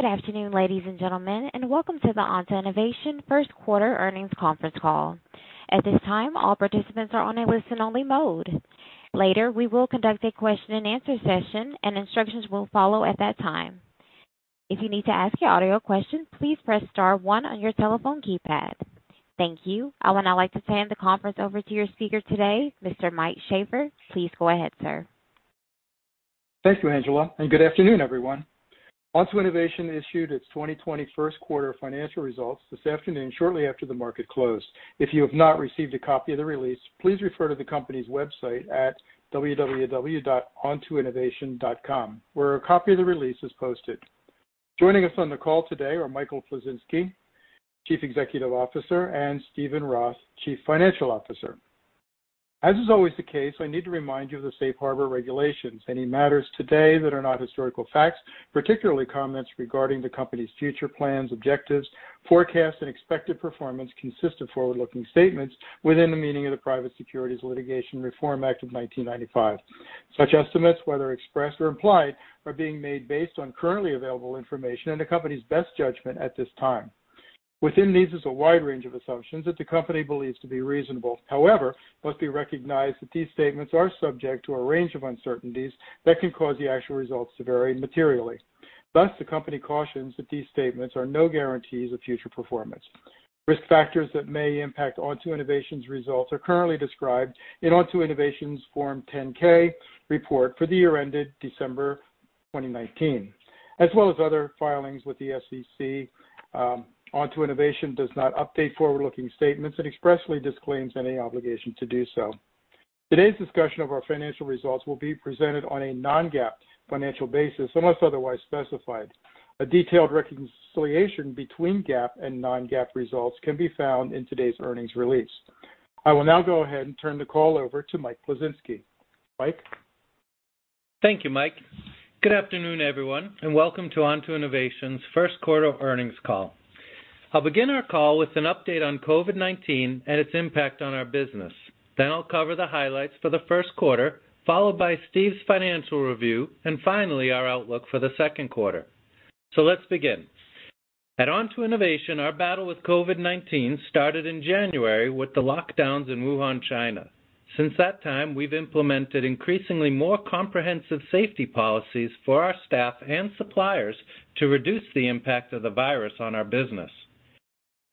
Good afternoon, ladies and gentlemen, and welcome to The Onto Innovation First Quarter Earnings Conference Call. At this time, all participants are on a listen-only mode. Later, we will conduct a question-and-answer session, and instructions will follow at that time. If you need to ask your audio question, please press star one on your telephone keypad. Thank you. I would now like to turn the conference over to your speaker today, Mr. Mike Sheaffer. Please go ahead, sir. Thank you, Angela, and good afternoon, everyone. Onto Innovation issued its 2020 first quarter financial results this afternoon, shortly after the market closed. If you have not received a copy of the release, please refer to the company's website at www.ontoinnovation.com, where a copy of the release is posted. Joining us on the call today are Michael Plisinski, Chief Executive Officer, and Steven Roth, Chief Financial Officer. As is always the case, I need to remind you of the Safe Harbor regulations. Any matters today that are not historical facts, particularly comments regarding the company's future plans, objectives, forecasts, and expected performance, consist of forward-looking statements within the meaning of the Private Securities Litigation Reform Act of 1995. Such estimates, whether expressed or implied, are being made based on currently available information and the company's best judgment at this time. Within these is a wide range of assumptions that the company believes to be reasonable. However, it must be recognized that these statements are subject to a range of uncertainties that can cause the actual results to vary materially. Thus, the company cautions that these statements are no guarantees of future performance. Risk factors that may impact Onto Innovation's results are currently described in Onto Innovation's Form 10-K report for the year ended December 2019, as well as other filings with the SEC. Onto Innovation does not update forward-looking statements and expressly disclaims any obligation to do so. Today's discussion of our financial results will be presented on a non-GAAP financial basis unless otherwise specified. A detailed reconciliation between GAAP and non-GAAP results can be found in today's earnings release. I will now go ahead and turn the call over to Mike Plisinski. Mike. Thank you, Mike. Good afternoon, everyone, and welcome to Onto Innovation's first quarter earnings call. I'll begin our call with an update on COVID-19 and its impact on our business. Then I'll cover the highlights for the first quarter, followed by Steve's financial review, and finally, our outlook for the second quarter. Let's begin. At Onto Innovation, our battle with COVID-19 started in January with the lockdowns in Wuhan, China. Since that time, we've implemented increasingly more comprehensive safety policies for our staff and suppliers to reduce the impact of the virus on our business.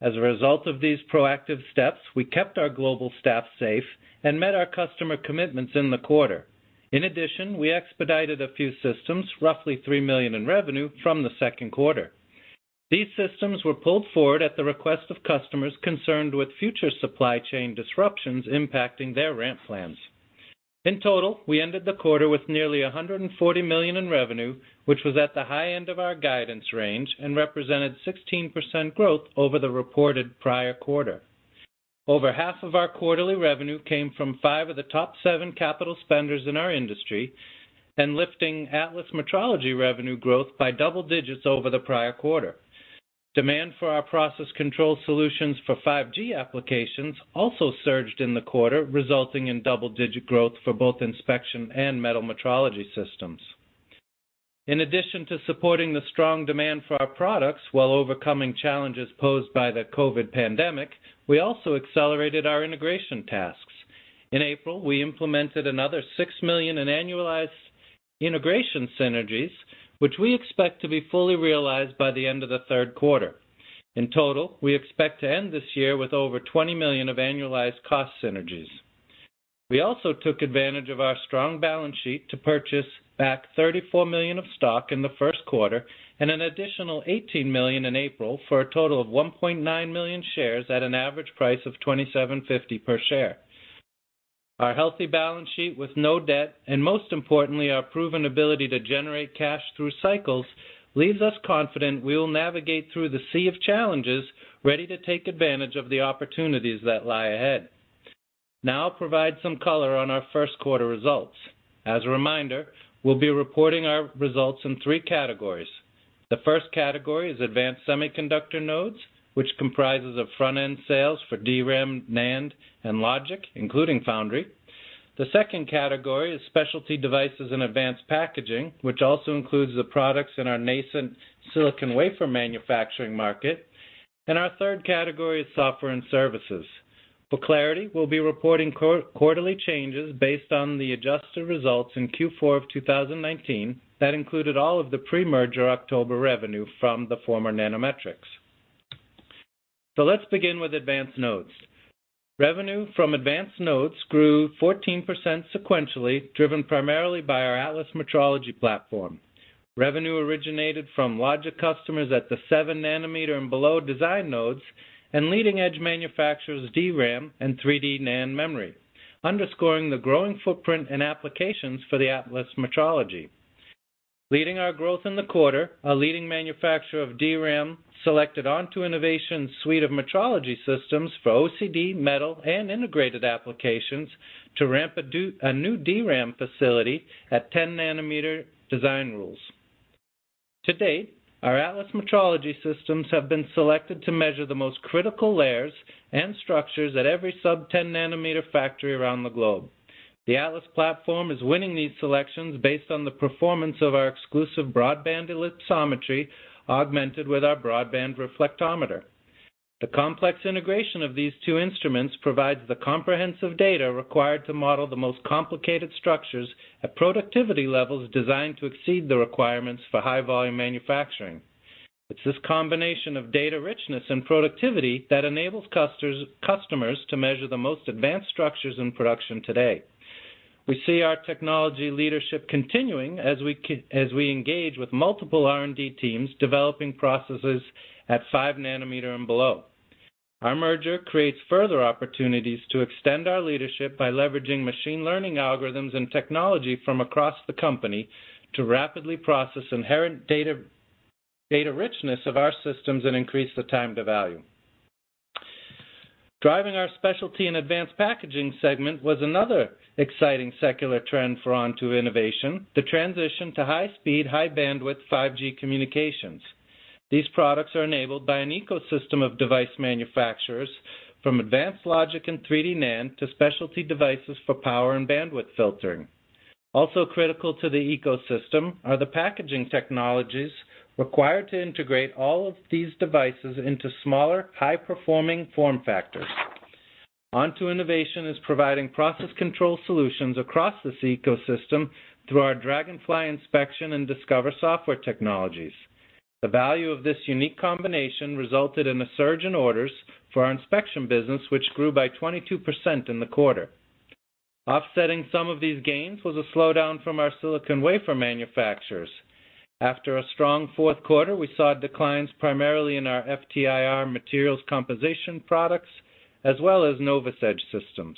As a result of these proactive steps, we kept our global staff safe and met our customer commitments in the quarter. In addition, we expedited a few systems, roughly $3 million in revenue, from the second quarter. These systems were pulled forward at the request of customers concerned with future supply chain disruptions impacting their ramp plans. In total, we ended the quarter with nearly $140 million in revenue, which was at the high end of our guidance range and represented 16% growth over the reported prior quarter. Over half of our quarterly revenue came from five of the top seven capital spenders in our industry and lifting Atlas Metrology revenue growth by double digits over the prior quarter. Demand for our process control solutions for 5G applications also surged in the quarter, resulting in double-digit growth for both inspection and metal metrology systems. In addition to supporting the strong demand for our products while overcoming challenges posed by the COVID pandemic, we also accelerated our integration tasks. In April, we implemented another $6 million in annualized integration synergies, which we expect to be fully realized by the end of the third quarter. In total, we expect to end this year with over $20 million of annualized cost synergies. We also took advantage of our strong balance sheet to purchase back $34 million of stock in the first quarter and an additional $18 million in April for a total of 1.9 million shares at an average price of $27.50 per share. Our healthy balance sheet with no debt and, most importantly, our proven ability to generate cash through cycles leaves us confident we will navigate through the sea of challenges ready to take advantage of the opportunities that lie ahead. Now I'll provide some color on our first quarter results. As a reminder, we'll be reporting our results in three categories. The first category is advanced semiconductor nodes, which comprises of front-end sales for DRAM, NAND, and logic, including foundry. The second category is specialty devices and advanced packaging, which also includes the products in our nascent silicon wafer manufacturing market. Our third category is software and services. For clarity, we'll be reporting quarterly changes based on the adjusted results in Q4 of 2019 that included all of the pre-merger October revenue from the former Nanometrics. Let's begin with advanced nodes. Revenue from advanced nodes grew 14% sequentially, driven primarily by our Atlas Metrology platform. Revenue originated from logic customers at the 7 nanometer and below design nodes and leading-edge manufacturers DRAM and 3D NAND memory, underscoring the growing footprint and applications for the Atlas Metrology. Leading our growth in the quarter, a leading manufacturer of DRAM selected Onto Innovation's suite of metrology systems for OCD, metal, and integrated applications to ramp a new DRAM facility at 10 nanometer design rules. To date, our Atlas Metrology systems have been selected to measure the most critical layers and structures at every sub-10 nanometer factory around the globe. The Atlas platform is winning these selections based on the performance of our exclusive broadband ellipsometry augmented with our broadband reflectometer. The complex integration of these two instruments provides the comprehensive data required to model the most complicated structures at productivity levels designed to exceed the requirements for high-volume manufacturing. It's this combination of data richness and productivity that enables customers to measure the most advanced structures in production today. We see our technology leadership continuing as we engage with multiple R&D teams developing processes at 5 nanometer and below. Our merger creates further opportunities to extend our leadership by leveraging machine learning algorithms and technology from across the company to rapidly process inherent data richness of our systems and increase the time to value. Driving our specialty and advanced packaging segment was another exciting secular trend for Onto Innovation: the transition to high-speed, high-bandwidth 5G communications. These products are enabled by an ecosystem of device manufacturers from advanced logic and 3D NAND to specialty devices for power and bandwidth filtering. Also critical to the ecosystem are the packaging technologies required to integrate all of these devices into smaller, high-performing form factors. Onto Innovation is providing process control solutions across this ecosystem through our Dragonfly inspection and Discover software technologies. The value of this unique combination resulted in a surge in orders for our inspection business, which grew by 22% in the quarter. Offsetting some of these gains was a slowdown from our silicon wafer manufacturers. After a strong fourth quarter, we saw declines primarily in our FTIR materials composition products as well as NovaSedge systems.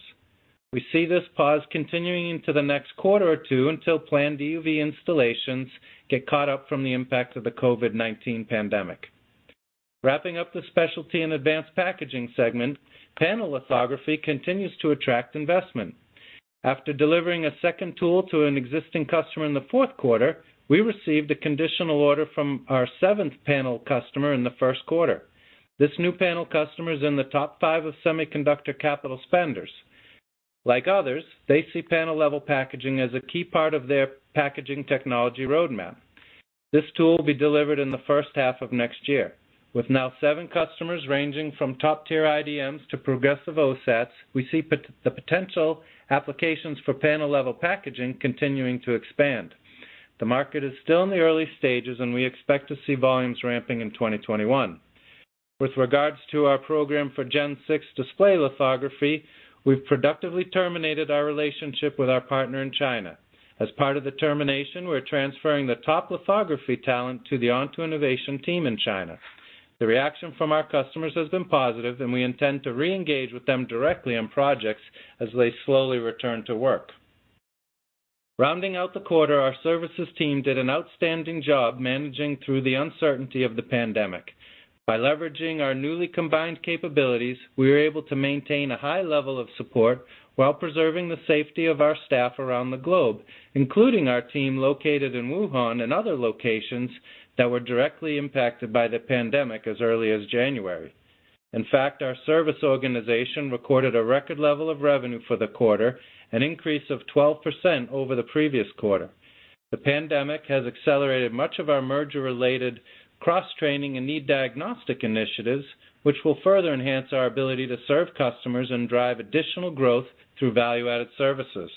We see this pause continuing into the next quarter or two until planned EUV installations get caught up from the impact of the COVID-19 pandemic. Wrapping up the specialty and advanced packaging segment, panel lithography continues to attract investment. After delivering a second tool to an existing customer in the fourth quarter, we received a conditional order from our seventh panel customer in the first quarter. This new panel customer is in the top five of semiconductor capital spenders. Like others, they see panel-level packaging as a key part of their packaging technology roadmap. This tool will be delivered in the first half of next year. With now seven customers ranging from top-tier IDMs to progressive OSATs, we see the potential applications for panel-level packaging continuing to expand. The market is still in the early stages, and we expect to see volumes ramping in 2021. With regards to our program for Gen six display lithography, we have productively terminated our relationship with our partner in China. As part of the termination, we are transferring the top lithography talent to the Onto Innovation team in China. The reaction from our customers has been positive, and we intend to re-engage with them directly on projects as they slowly return to work. Rounding out the quarter, our services team did an outstanding job managing through the uncertainty of the pandemic. By leveraging our newly combined capabilities, we were able to maintain a high level of support while preserving the safety of our staff around the globe, including our team located in Wuhan and other locations that were directly impacted by the pandemic as early as January. In fact, our service organization recorded a record level of revenue for the quarter, an increase of 12% over the previous quarter. The pandemic has accelerated much of our merger-related cross-training and need diagnostic initiatives, which will further enhance our ability to serve customers and drive additional growth through value-added services.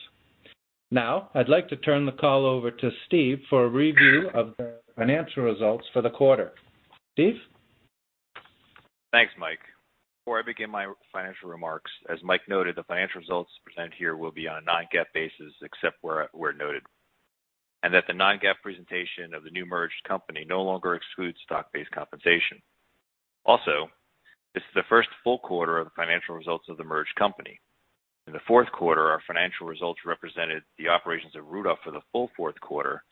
Now, I'd like to turn the call over to Steve for a review of the financial results for the quarter. Steve? Thanks, Mike. Before I begin my financial remarks, as Mike noted, the financial results presented here will be on a non-GAAP basis except where noted, and that the non-GAAP presentation of the new merged company no longer excludes stock-based compensation. Also, this is the first full quarter of the financial results of the merged company. In the fourth quarter, our financial results represented the operations of Rudolph for the full fourth quarter,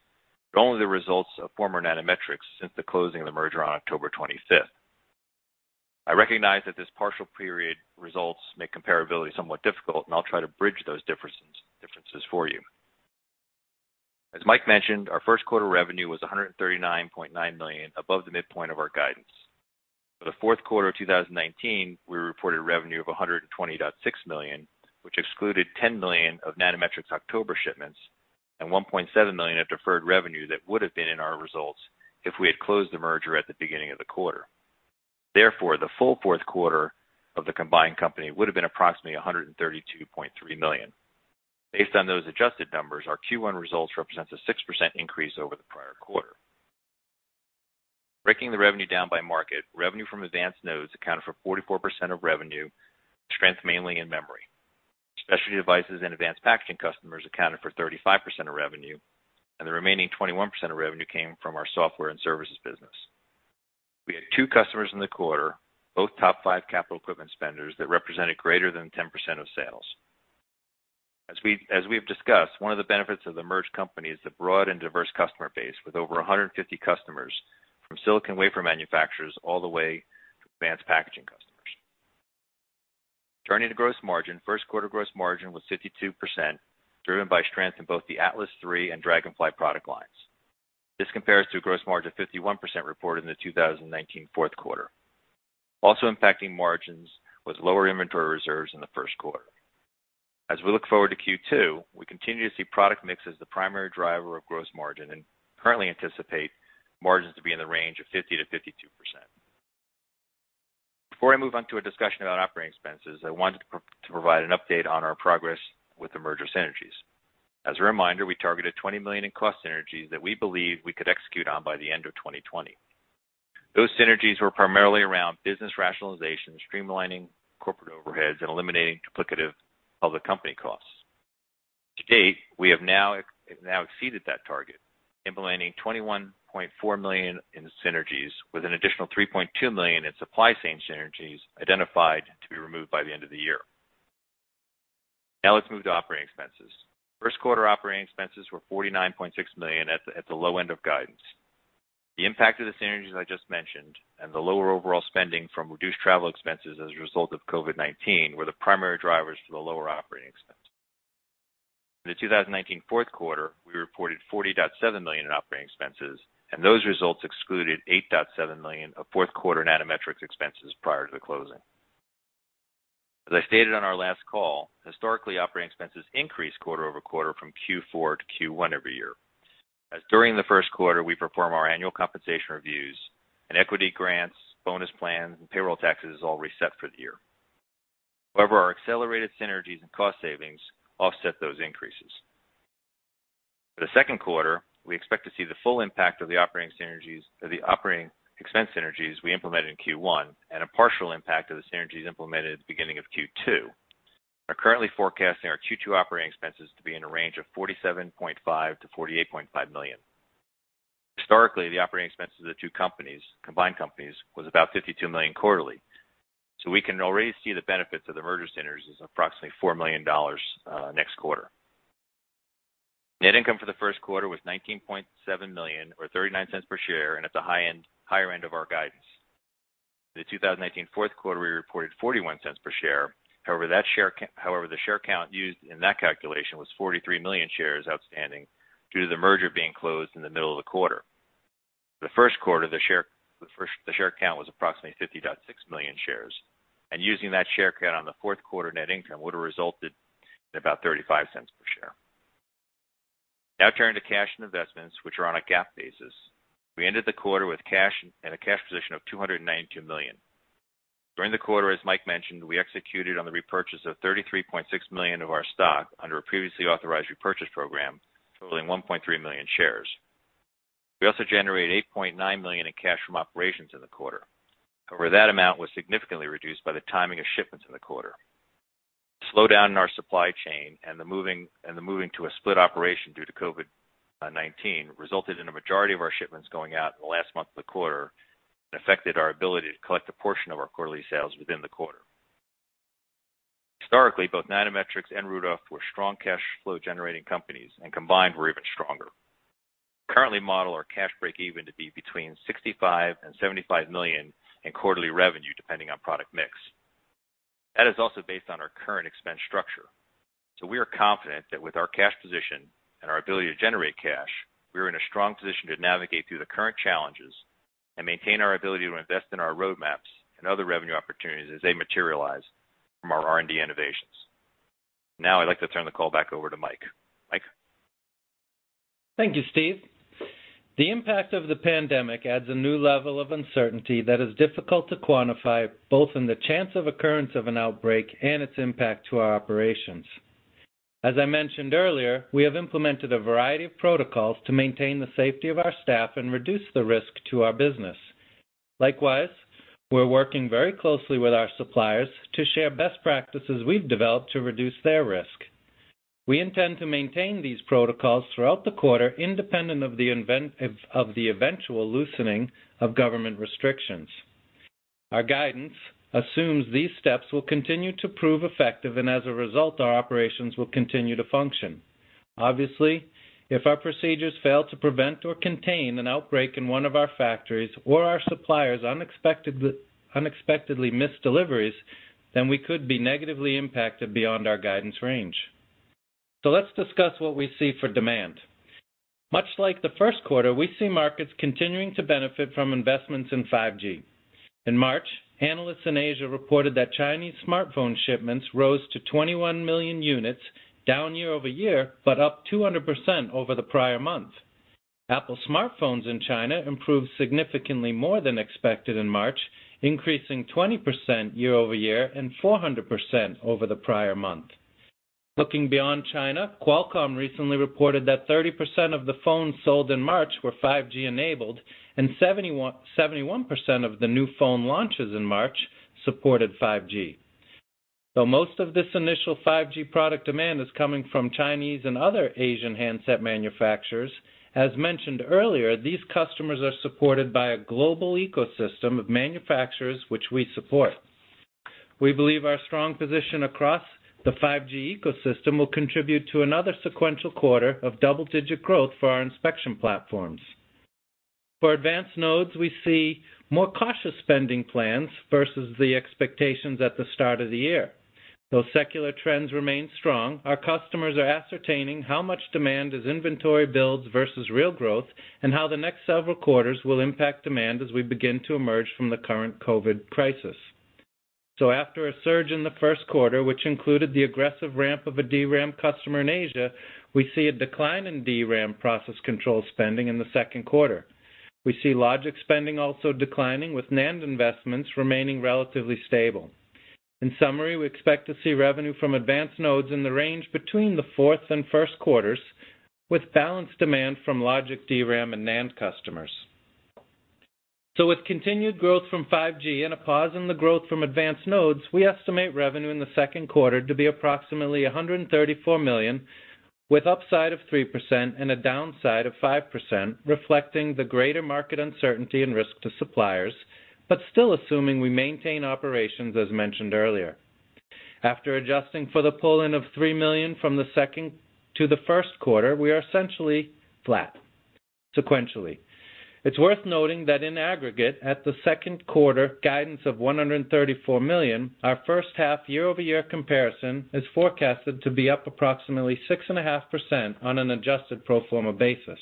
but only the results of former Nanometrics since the closing of the merger on October 25th. I recognize that this partial period results make comparability somewhat difficult, and I'll try to bridge those differences for you. As Mike mentioned, our first quarter revenue was $139.9 million above the midpoint of our guidance. For the fourth quarter of 2019, we reported revenue of $120.6 million, which excluded $10 million of Nanometrics' October shipments and $1.7 million of deferred revenue that would have been in our results if we had closed the merger at the beginning of the quarter. Therefore, the full fourth quarter of the combined company would have been approximately $132.3 million. Based on those adjusted numbers, our Q1 results represent a 6% increase over the prior quarter. Breaking the revenue down by market, revenue from advanced nodes accounted for 44% of revenue, strength mainly in memory. Specialty devices and advanced packaging customers accounted for 35% of revenue, and the remaining 21% of revenue came from our software and services business. We had two customers in the quarter, both top five capital equipment spenders that represented greater than 10% of sales. As we have discussed, one of the benefits of the merged company is the broad and diverse customer base with over 150 customers from silicon wafer manufacturers all the way to advanced packaging customers. Turning to gross margin, first quarter gross margin was 52%, driven by strength in both the Atlas III+ and Dragonfly product lines. This compares to a gross margin of 51% reported in the 2019 fourth quarter. Also impacting margins was lower inventory reserves in the first quarter. As we look forward to Q2, we continue to see product mix as the primary driver of gross margin and currently anticipate margins to be in the range of 50%-52%. Before I move on to a discussion about operating expenses, I wanted to provide an update on our progress with the merger synergies. As a reminder, we targeted $20 million in cost synergies that we believe we could execute on by the end of 2020. Those synergies were primarily around business rationalization, streamlining corporate overheads, and eliminating duplicative public company costs. To date, we have now exceeded that target, implementing $21.4 million in synergies with an additional $3.2 million in supply chain synergies identified to be removed by the end of the year. Now let's move to operating expenses. First quarter operating expenses were $49.6 million at the low end of guidance. The impact of the synergies I just mentioned and the lower overall spending from reduced travel expenses as a result of COVID-19 were the primary drivers for the lower operating expenses. In the 2019 fourth quarter, we reported $40.7 million in operating expenses, and those results excluded $8.7 million of fourth quarter Nanometrics expenses prior to the closing. As I stated on our last call, historically, operating expenses increased quarter over quarter from Q4 to Q1 every year. As during the first quarter, we perform our annual compensation reviews, and equity grants, bonus plans, and payroll taxes are all reset for the year. However, our accelerated synergies and cost savings offset those increases. For the second quarter, we expect to see the full impact of the operating expense synergies we implemented in Q1 and a partial impact of the synergies implemented at the beginning of Q2. We're currently forecasting our Q2 operating expenses to be in a range of $47.5 million-$48.5 million. Historically, the operating expenses of the two combined companies was about $52 million quarterly. So we can already see the benefits of the merger synergies of approximately $4 million next quarter. Net income for the first quarter was $19.7 million or $0.39 per share, and at the higher end of our guidance. In the 2019 fourth quarter, we reported $0.41 per share. However, the share count used in that calculation was 43 million shares outstanding due to the merger being closed in the middle of the quarter. For the first quarter, the share count was approximately 50.6 million shares, and using that share count on the fourth quarter net income would have resulted in about $0.35 per share. Now turning to cash and investments, which are on a GAAP basis. We ended the quarter with a cash position of $292 million. During the quarter, as Mike mentioned, we executed on the repurchase of $33.6 million of our stock under a previously authorized repurchase program totaling 1.3 million shares. We also generated $8.9 million in cash from operations in the quarter. However, that amount was significantly reduced by the timing of shipments in the quarter. The slowdown in our supply chain and the moving to a split operation due to COVID-19 resulted in the majority of our shipments going out in the last month of the quarter and affected our ability to collect a portion of our quarterly sales within the quarter. Historically, both Nanometrics and Rudolph were strong cash flow generating companies, and combined were even stronger. Currently, we model our cash break-even to be between $65 million-$75 million in quarterly revenue depending on product mix. That is also based on our current expense structure. We are confident that with our cash position and our ability to generate cash, we are in a strong position to navigate through the current challenges and maintain our ability to invest in our roadmaps and other revenue opportunities as they materialize from our R&D innovations. Now, I'd like to turn the call back over to Mike. Mike. Thank you, Steve. The impact of the pandemic adds a new level of uncertainty that is difficult to quantify both in the chance of occurrence of an outbreak and its impact to our operations. As I mentioned earlier, we have implemented a variety of protocols to maintain the safety of our staff and reduce the risk to our business. Likewise, we're working very closely with our suppliers to share best practices we've developed to reduce their risk. We intend to maintain these protocols throughout the quarter independent of the eventual loosening of government restrictions. Our guidance assumes these steps will continue to prove effective and, as a result, our operations will continue to function. Obviously, if our procedures fail to prevent or contain an outbreak in one of our factories or our suppliers unexpectedly miss deliveries, then we could be negatively impacted beyond our guidance range. Let's discuss what we see for demand. Much like the first quarter, we see markets continuing to benefit from investments in 5G. In March, analysts in Asia reported that Chinese smartphone shipments rose to 21 million units, down year-over-year, but up 200% over the prior month. Apple smartphones in China improved significantly more than expected in March, increasing 20% year over year and 400% over the prior month. Looking beyond China, Qualcomm recently reported that 30% of the phones sold in March were 5G-enabled, and 71% of the new phone launches in March supported 5G. Though most of this initial 5G product demand is coming from Chinese and other Asian handset manufacturers, as mentioned earlier, these customers are supported by a global ecosystem of manufacturers which we support. We believe our strong position across the 5G ecosystem will contribute to another sequential quarter of double-digit growth for our inspection platforms. For advanced nodes, we see more cautious spending plans versus the expectations at the start of the year. Though secular trends remain strong, our customers are ascertaining how much demand is inventory builds versus real growth and how the next several quarters will impact demand as we begin to emerge from the current COVID crisis. After a surge in the first quarter, which included the aggressive ramp of a DRAM customer in Asia, we see a decline in DRAM process control spending in the second quarter. We see logic spending also declining, with NAND investments remaining relatively stable. In summary, we expect to see revenue from advanced nodes in the range between the fourth and first quarters, with balanced demand from logic, DRAM, and NAND customers. With continued growth from 5G and a pause in the growth from advanced nodes, we estimate revenue in the second quarter to be approximately $134 million, with upside of 3% and a downside of 5%, reflecting the greater market uncertainty and risk to suppliers, but still assuming we maintain operations as mentioned earlier. After adjusting for the pulling of $3 million from the second to the first quarter, we are essentially flat sequentially. It's worth noting that in aggregate, at the second quarter, guidance of $134 million, our first half year-over-year comparison is forecasted to be up approximately 6.5% on an adjusted pro forma basis.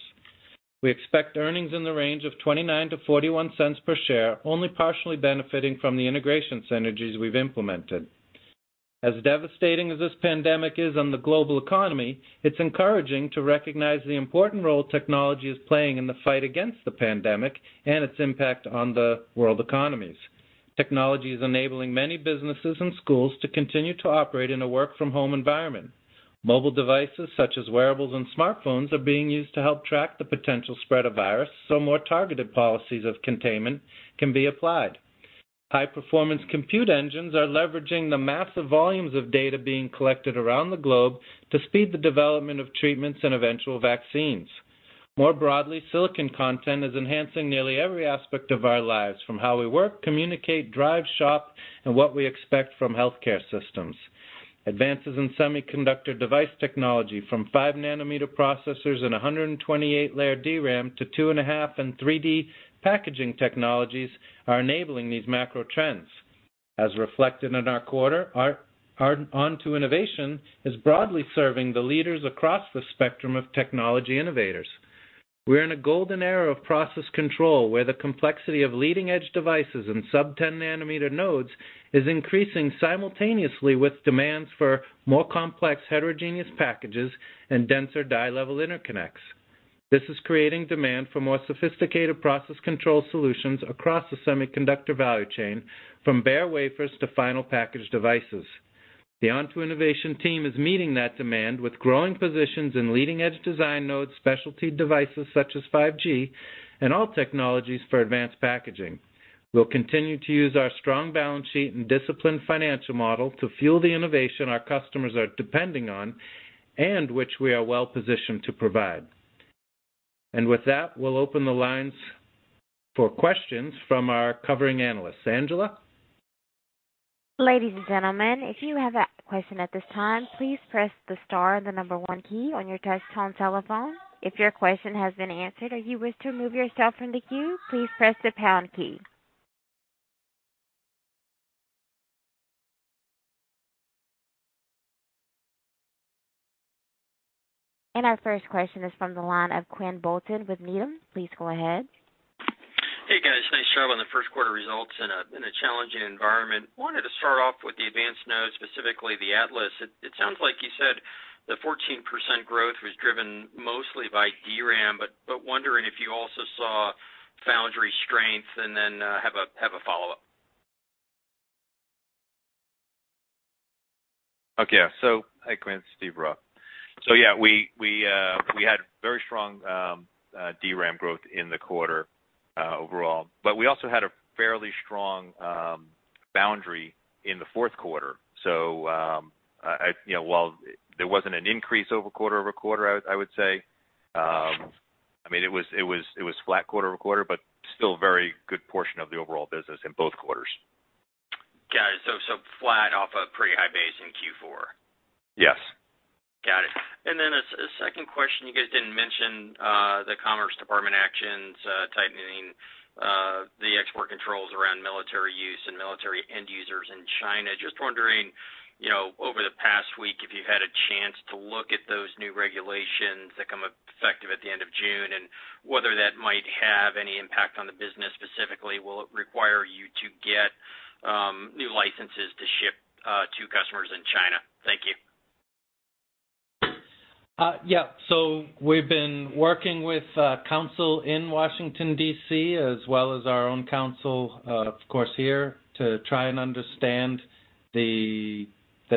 We expect earnings in the range of $0.29-$0.41 per share, only partially benefiting from the integration synergies we've implemented. As devastating as this pandemic is on the global economy, it's encouraging to recognize the important role technology is playing in the fight against the pandemic and its impact on the world economies. Technology is enabling many businesses and schools to continue to operate in a work-from-home environment. Mobile devices such as wearables and smartphones are being used to help track the potential spread of virus, so more targeted policies of containment can be applied. High-performance compute engines are leveraging the massive volumes of data being collected around the globe to speed the development of treatments and eventual vaccines. More broadly, silicon content is enhancing nearly every aspect of our lives from how we work, communicate, drive, shop, and what we expect from healthcare systems. Advances in semiconductor device technology from 5-nanometer processors and 128-layer DRAM to 2.5 and 3D packaging technologies are enabling these macro trends. As reflected in our quarter, Onto Innovation is broadly serving the leaders across the spectrum of technology innovators. We're in a golden era of process control where the complexity of leading-edge devices and sub-10-nanometer nodes is increasing simultaneously with demands for more complex heterogeneous packages and denser die-level interconnects. This is creating demand for more sophisticated process control solutions across the semiconductor value chain, from bare wafers to final package devices. The Onto Innovation team is meeting that demand with growing positions in leading-edge design nodes, specialty devices such as 5G, and all technologies for advanced packaging. We'll continue to use our strong balance sheet and disciplined financial model to fuel the innovation our customers are depending on and which we are well-positioned to provide. With that, we'll open the lines for questions from our covering analysts. Angela? Ladies and gentlemen, if you have a question at this time, please press the star and the number one key on your touch-tone telephone. If your question has been answered or you wish to remove yourself from the queue, please press the pound key. Our first question is from the line of Quinn Bolton with Needham. Please go ahead. Hey, guys. Thanks, Charlotte, on the first quarter results in a challenging environment. Wanted to start off with the advanced nodes, specifically the Atlas. It sounds like you said the 14% growth was driven mostly by DRAM, but wondering if you also saw foundry strength and then have a follow-up. Okay. So hi, Quinn. Steve Roth. So yeah, we had very strong DRAM growth in the quarter overall. But we also had a fairly strong foundry in the fourth quarter. So while there was not an increase over quarter over quarter, I would say, I mean, it was flat quarter over quarter, but still a very good portion of the overall business in both quarters. Got it. So flat off a pretty high base in Q4? Yes. Got it. Then a second question. You guys did not mention the Commerce Department actions tightening the export controls around military use and military end users in China. Just wondering, over the past week, if you had a chance to look at those new regulations that come effective at the end of June and whether that might have any impact on the business specifically. Will it require you to get new licenses to ship to customers in China? Thank you. Yeah. So we've been working with counsel in Washington, D.C., as well as our own counsel, of course, here to try and understand the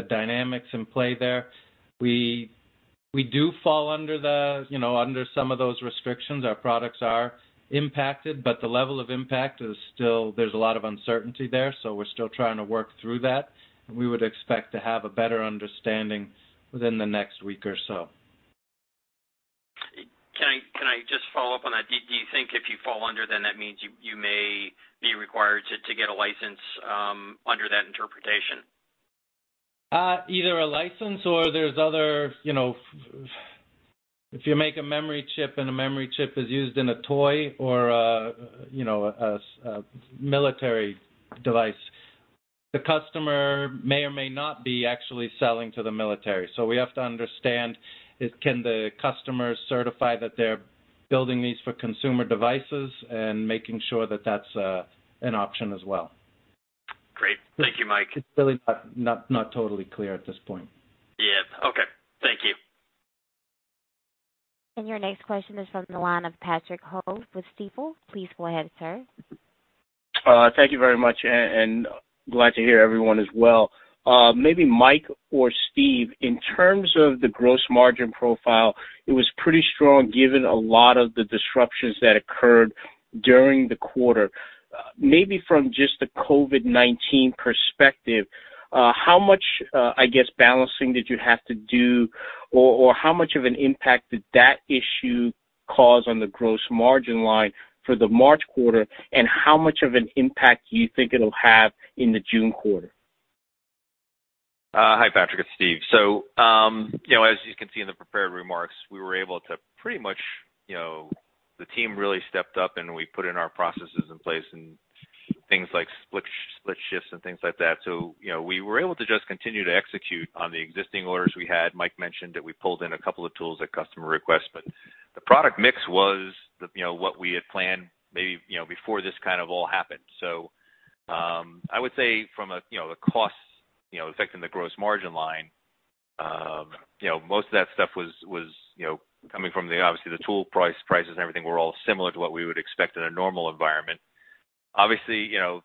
dynamics in play there. We do fall under some of those restrictions. Our products are impacted, but the level of impact is still there's a lot of uncertainty there, so we're still trying to work through that. We would expect to have a better understanding within the next week or so. Can I just follow up on that? Do you think if you fall under, then that means you may be required to get a license under that interpretation? Either a license or there is other, if you make a memory chip and a memory chip is used in a toy or a military device, the customer may or may not be actually selling to the military. We have to understand, can the customers certify that they are building these for consumer devices and making sure that that is an option as well? Great. Thank you, Mike. It's really not totally clear at this point. Yeah. Okay. Thank you. Your next question is from the line of Patrick Ho with Stifel. Please go ahead, sir. Thank you very much, and glad to hear everyone as well. Maybe Mike or Steve, in terms of the gross margin profile, it was pretty strong given a lot of the disruptions that occurred during the quarter. Maybe from just the COVID-19 perspective, how much, I guess, balancing did you have to do, or how much of an impact did that issue cause on the gross margin line for the March quarter, and how much of an impact do you think it'll have in the June quarter? Hi, Patrick. It's Steve. As you can see in the prepared remarks, we were able to pretty much, the team really stepped up, and we put our processes in place and things like split shifts and things like that. We were able to just continue to execute on the existing orders we had. Mike mentioned that we pulled in a couple of tools at customer request, but the product mix was what we had planned maybe before this kind of all happened. I would say from the costs affecting the gross margin line, most of that stuff was coming from, obviously, the tool prices. Prices and everything were all similar to what we would expect in a normal environment. Obviously, a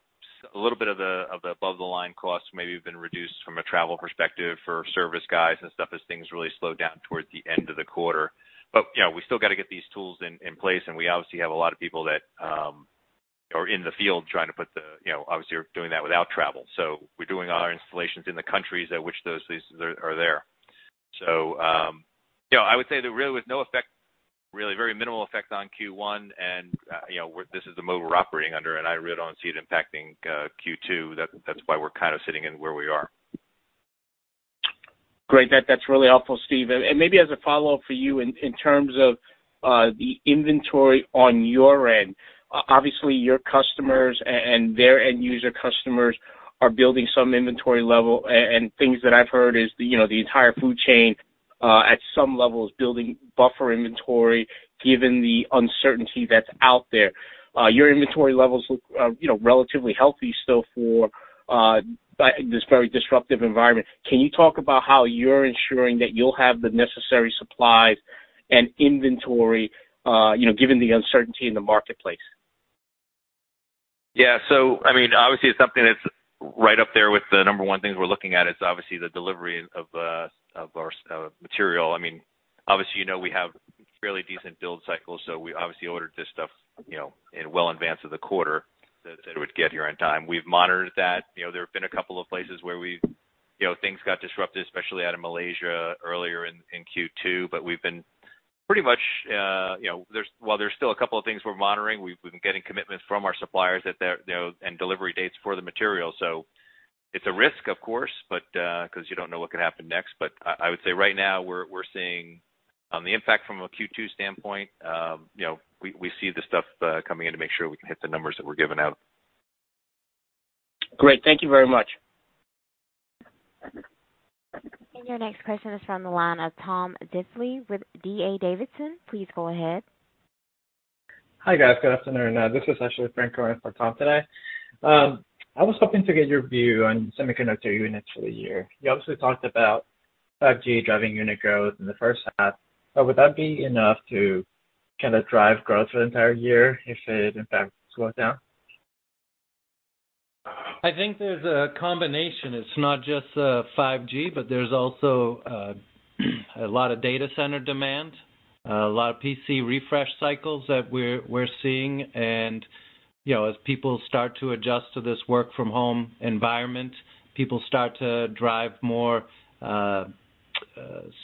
little bit of the above-the-line costs maybe have been reduced from a travel perspective for service guys and stuff as things really slowed down towards the end of the quarter. We still got to get these tools in place, and we obviously have a lot of people that are in the field trying to put the, obviously, we're doing that without travel. We are doing our installations in the countries at which those places are there. I would say there really was no effect, really very minimal effect on Q1, and this is the mode we're operating under. I really do not see it impacting Q2. That is why we're kind of sitting in where we are. Great. That's really helpful, Steve. Maybe as a follow-up for you in terms of the inventory on your end, obviously, your customers and their end user customers are building some inventory level. Things that I've heard is the entire food chain, at some level, is building buffer inventory given the uncertainty that's out there. Your inventory levels look relatively healthy still for this very disruptive environment. Can you talk about how you're ensuring that you'll have the necessary supplies and inventory given the uncertainty in the marketplace? Yeah. So I mean, obviously, it's something that's right up there with the number one things we're looking at is obviously the delivery of our material. I mean, obviously, we have fairly decent build cycles, so we obviously ordered this stuff well in advance of the quarter that it would get here on time. We've monitored that. There have been a couple of places where things got disrupted, especially out of Malaysia earlier in Q2, but we've been pretty much, while there's still a couple of things we're monitoring, we've been getting commitments from our suppliers and delivery dates for the material. It's a risk, of course, because you don't know what could happen next. I would say right now, we're seeing the impact from a Q2 standpoint. We see the stuff coming in to make sure we can hit the numbers that we're giving out. Great. Thank you very much. Your next question is from the line of Tom Disley with DA Davidson. Please go ahead. Hi guys. Good afternoon. This is Penaherrera Franco for Tom today. I was hoping to get your view on semiconductor units for the year. You obviously talked about 5G driving unit growth in the first half. Would that be enough to kind of drive growth for the entire year if it, in fact, slows down? I think there's a combination. It's not just 5G, but there's also a lot of data center demand, a lot of PC refresh cycles that we're seeing. As people start to adjust to this work-from-home environment, people start to drive more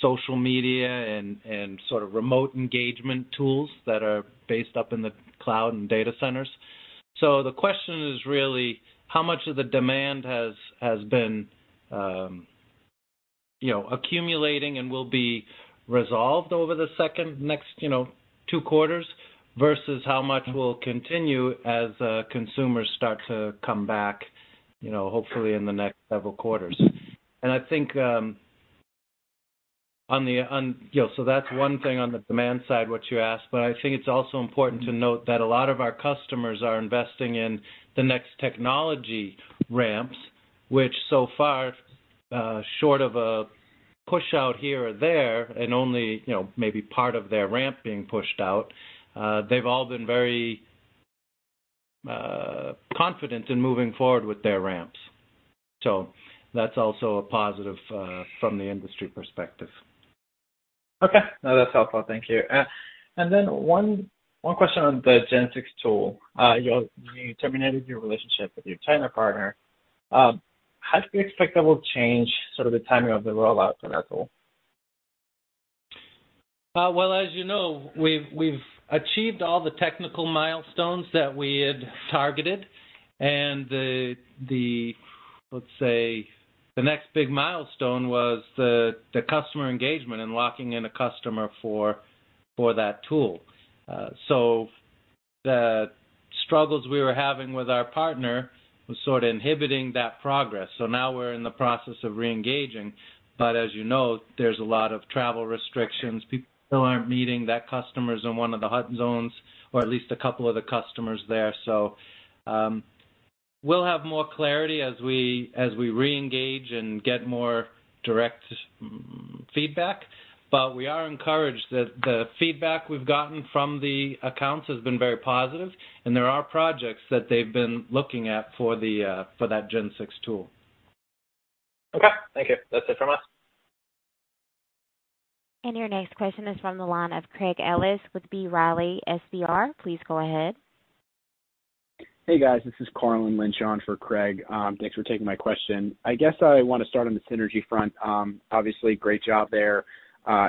social media and sort of remote engagement tools that are based up in the cloud and data centers. The question is really how much of the demand has been accumulating and will be resolved over the next two quarters versus how much will continue as consumers start to come back, hopefully, in the next several quarters. I think that's one thing on the demand side, what you asked. I think it's also important to note that a lot of our customers are investing in the next technology ramps, which so far, short of a push out here or there and only maybe part of their ramp being pushed out, they've all been very confident in moving forward with their ramps. So that's also a positive from the industry perspective. Okay. No, that's helpful. Thank you. Then one question on the Gen6 tool. You terminated your relationship with your China partner. How do you expect that will change sort of the timing of the rollout for that tool? As you know, we've achieved all the technical milestones that we had targeted. Let's say the next big milestone was the customer engagement and locking in a customer for that tool. The struggles we were having with our partner were sort of inhibiting that progress. Now we're in the process of reengaging. As you know, there are a lot of travel restrictions. People are not meeting; that customer is in one of the hot zones or at least a couple of the customers there. We will have more clarity as we reengage and get more direct feedback. We are encouraged that the feedback we've gotten from the accounts has been very positive. There are projects that they've been looking at for that Gen6 tool. []Okay. Thank you. That's it from us. Your next question is from the line of Craig Ellis with B. Riley, SVR. Please go ahead. Hey, guys. This is Corwin Lynch on for Craig. Thanks for taking my question. I guess I want to start on the synergy front. Obviously, great job there.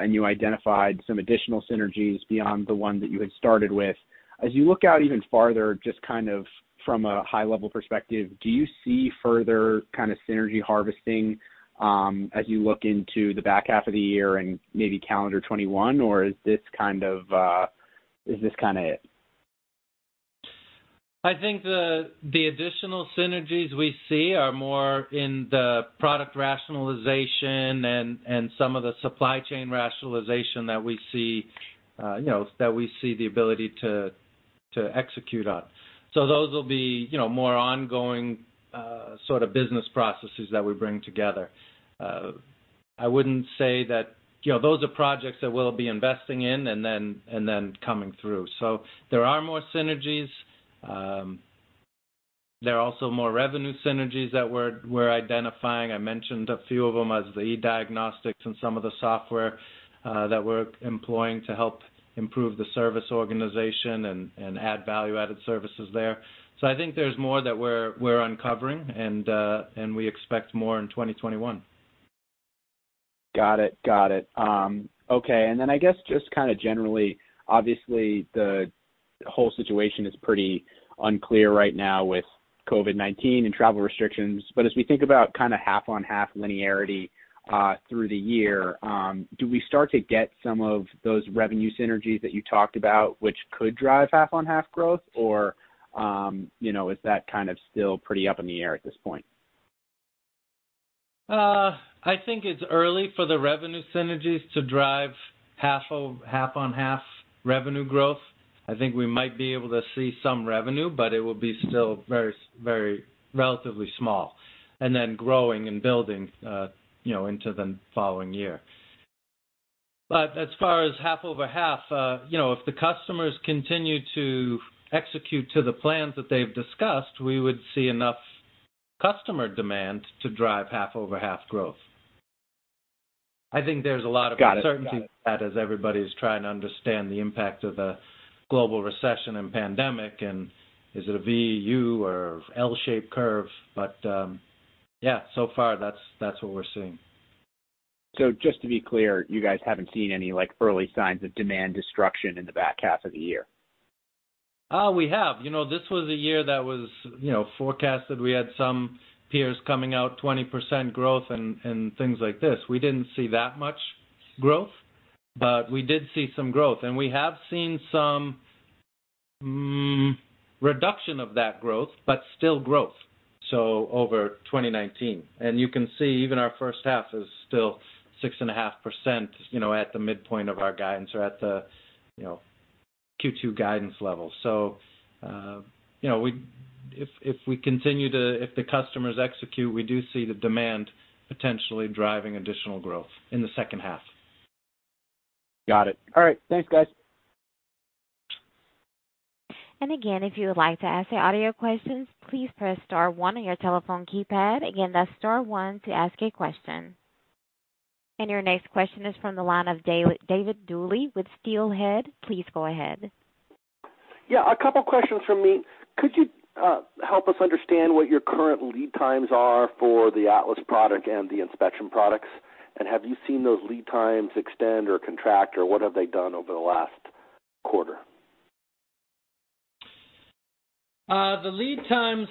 You identified some additional synergies beyond the one that you had started with. As you look out even farther, just kind of from a high-level perspective, do you see further kind of synergy harvesting as you look into the back half of the year and maybe calendar 2021, or is this kind of it? I think the additional synergies we see are more in the product rationalization and some of the supply chain rationalization that we see the ability to execute on. Those will be more ongoing sort of business processes that we bring together. I would not say that those are projects that we will be investing in and then coming through. There are more synergies. There are also more revenue synergies that we are identifying. I mentioned a few of them as the eDiagnostics and some of the software that we are employing to help improve the service organization and add value-added services there. I think there is more that we are uncovering, and we expect more in 2021. Got it. Okay. I guess just kind of generally, obviously, the whole situation is pretty unclear right now with COVID-19 and travel restrictions. As we think about kind of half-on-half linearity through the year, do we start to get some of those revenue synergies that you talked about, which could drive half-on-half growth, or is that kind of still pretty up in the air at this point? I think it's early for the revenue synergies to drive half-on-half revenue growth. I think we might be able to see some revenue, but it will be still very, very relatively small and then growing and building into the following year. As far as half-over-half, if the customers continue to execute to the plans that they've discussed, we would see enough customer demand to drive half-over-half growth. I think there's a lot of uncertainty with that as everybody's trying to understand the impact of the global recession and pandemic and is it a V, U, or L-shaped curve. Yeah, so far, that's what we're seeing. Just to be clear, you guys haven't seen any early signs of demand destruction in the back half of the year? We have. This was a year that was forecast that we had some peers coming out, 20% growth and things like this. We did not see that much growth, but we did see some growth. And we have seen some reduction of that growth, but still growth, so over 2019. As you can see even our first half is still 6.5% at the midpoint of our guidance or at the Q2 guidance level. If we continue to, if the customers execute, we do see the demand potentially driving additional growth in the second half. Got it. All right. Thanks, guys. If you would like to ask the audio questions, please press star one on your telephone keypad. Again, that is star one to ask a question. Your next question is from the line of David Duley with Steelhead. Please go ahead. Yeah. A couple of questions from me. Could you help us understand what your current lead times are for the Atlas product and the Inspection products? Have you seen those lead times extend or contract, or what have they done over the last quarter? The lead times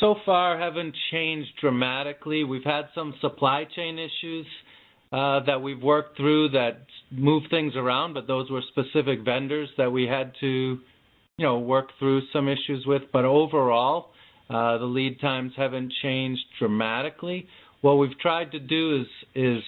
so far have not changed dramatically. We have had some supply chain issues that we have worked through that moved things around, but those were specific vendors that we had to work through some issues with. Overall, the lead times have not changed dramatically. What we have tried to do is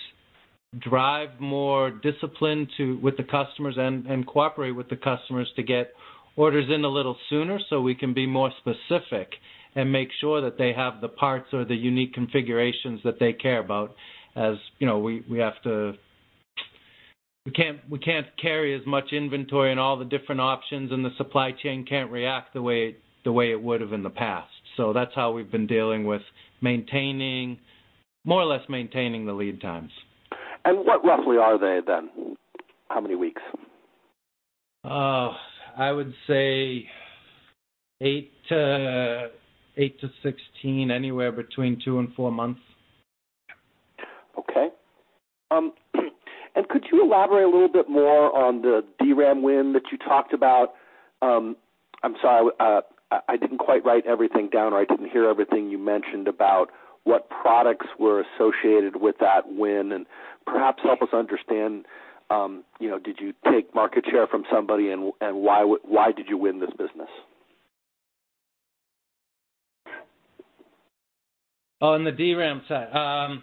drive more discipline with the customers and cooperate with the customers to get orders in a little sooner so we can be more specific and make sure that they have the parts or the unique configurations that they care about. As we have to, we cannot carry as much inventory and all the different options, and the supply chain cannot react the way it would have in the past. That is how we have been dealing with maintaining more or less maintaining the lead times. What roughly are they then? How many weeks? I would say eight to sixteen, anywhere between two and four months. Okay. Could you elaborate a little bit more on the DRAM win that you talked about? I'm sorry. I didn't quite write everything down, or I didn't hear everything you mentioned about what products were associated with that win and perhaps help us understand, did you take market share from somebody and why did you win this business? On the DRAM side,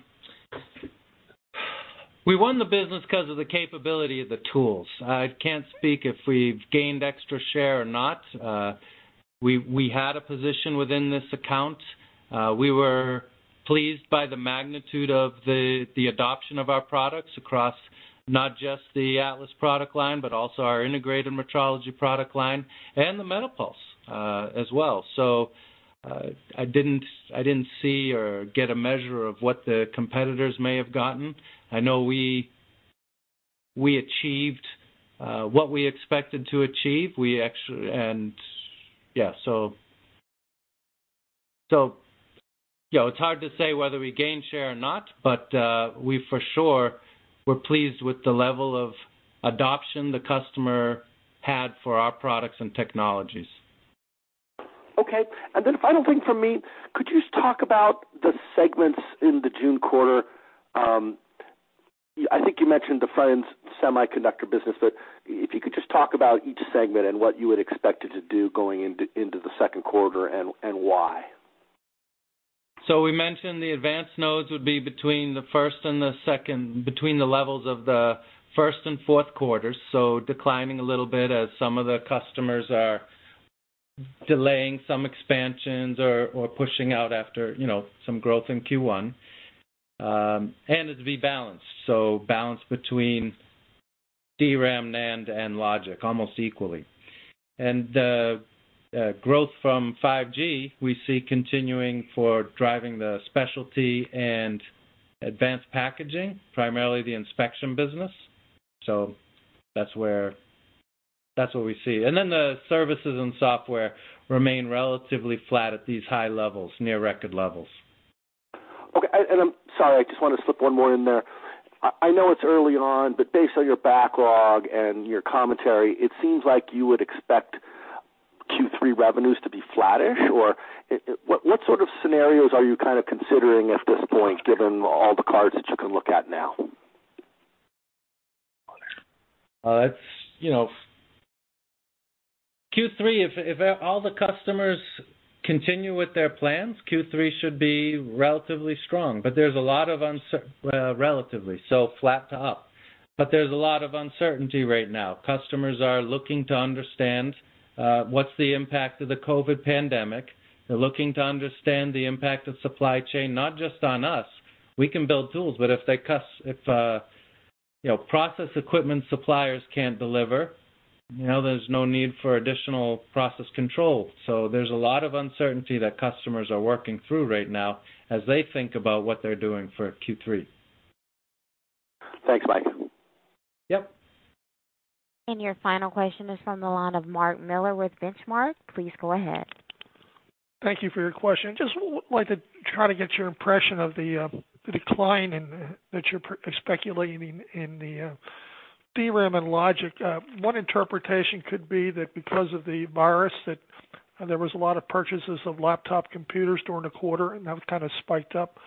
we won the business because of the capability of the tools. I can't speak if we've gained extra share or not. We had a position within this account. We were pleased by the magnitude of the adoption of our products across not just the Atlas product line, but also our Integrated Metrology product line and the Metapulse as well. I didn't see or get a measure of what the competitors may have gotten. I know we achieved what we expected to achieve. Yeah, it's hard to say whether we gained share or not, but we for sure were pleased with the level of adoption the customer had for our products and technologies. Okay. And then final thing from me, could you just talk about the segments in the June quarter? I think you mentioned the Fryens semiconductor business, but if you could just talk about each segment and what you would expect it to do going into the second quarter and why. We mentioned the advanced nodes would be between the first and the second, between the levels of the first and fourth quarters, declining a little bit as some of the customers are delaying some expansions or pushing out after some growth in Q1. It is to be balanced, balanced between DRAM, NAND, and logic almost equally. The growth from 5G we see continuing for driving the specialty and advanced packaging, primarily the Inspection business. That is what we see. The services and software remain relatively flat at these high levels, near record levels. Okay. I'm sorry. I just want to slip one more in there. I know it's early on, but based on your backlog and your commentary, it seems like you would expect Q3 revenues to be flattish, or what sort of scenarios are you kind of considering at this point given all the cards that you can look at now? Q3, if all the customers continue with their plans, Q3 should be relatively strong. There is a lot of relatively, so flat to up. There is a lot of uncertainty right now. Customers are looking to understand what is the impact of the COVID pandemic. They are looking to understand the impact of supply chain, not just on us. We can build tools, but if process equipment suppliers cannot deliver, there is no need for additional process control. There is a lot of uncertainty that customers are working through right now as they think about what they are doing for Q3. Thanks, Mike. Yep. Your final question is from the line of Mark Miller with Benchmark. Please go ahead. Thank you for your question. Just would like to try to get your impression of the decline that you're speculating in the DRAM and logic. One interpretation could be that because of the virus, there was a lot of purchases of laptop computers during the quarter, and that kind of spiked up.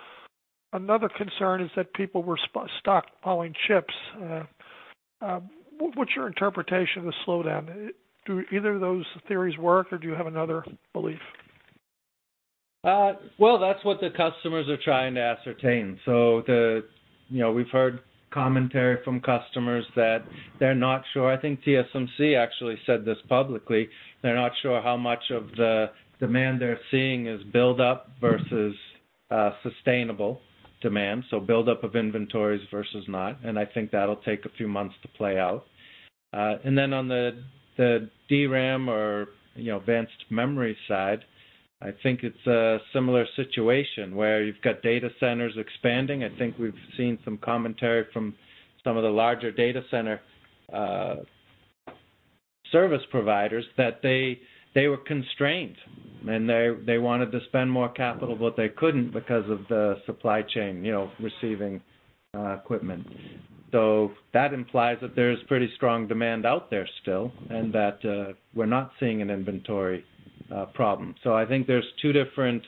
Another concern is that people were stockpiling chips. What's your interpretation of the slowdown? Do either of those theories work, or do you have another belief? That is what the customers are trying to ascertain. We have heard commentary from customers that they are not sure. I think TSMC actually said this publicly. They are not sure how much of the demand they are seeing is build-up versus sustainable demand, so build-up of inventories versus not. I think that will take a few months to play out. On the DRAM or advanced memory side, I think it is a similar situation where you have data centers expanding. I think we have seen some commentary from some of the larger data center service providers that they were constrained, and they wanted to spend more capital, but they could not because of the supply chain receiving equipment. That implies that there is pretty strong demand out there still and that we are not seeing an inventory problem. I think there are two different,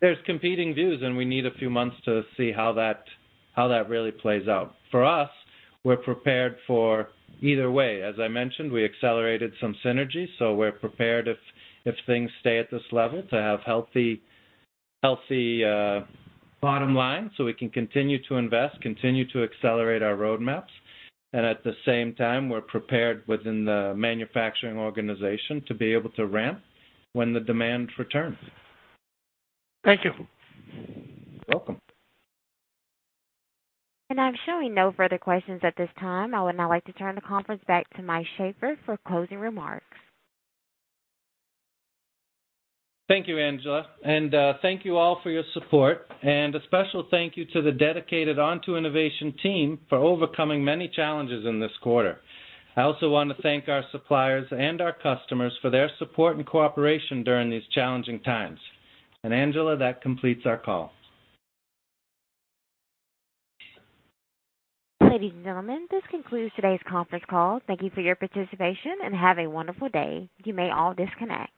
there are competing views, and we need a few months to see how that really plays out. For us, we are prepared for either way. As I mentioned, we accelerated some synergies, so we are prepared if things stay at this level to have a healthy bottom line so we can continue to invest, continue to accelerate our roadmaps. At the same time, we are prepared within the manufacturing organization to be able to ramp when the demand returns. Thank you. You're welcome. I'm showing no further questions at this time. I would now like to turn the conference back to Mike Sheaffer for closing remarks. Thank you, Angela. Thank you all for your support. A special thank you to the dedicated Onto Innovation team for overcoming many challenges in this quarter. I also want to thank our suppliers and our customers for their support and cooperation during these challenging times. Angela, that completes our call. Ladies and gentlemen, this concludes today's conference call. Thank you for your participation and have a wonderful day. You may all disconnect.